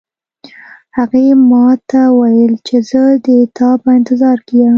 هغې ما ته وویل چې زه د تا په انتظار کې یم